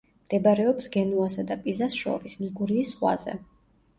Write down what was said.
მდებარეობს გენუასა და პიზას შორის, ლიგურიის ზღვაზე.